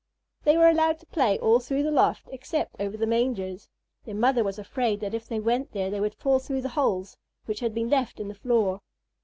They were allowed to play all through the loft except over the mangers. Their mother was afraid that if they went there they would fall through the holes which had been left in the floor.